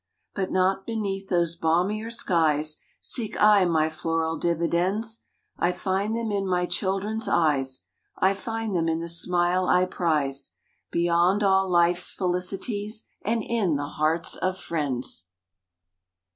But not beneath those balmier skies Seek I my floral dividends. I find them in my children s eyes. I find them in the smile I prize Beyond all life s felicities, And in the hearts of friends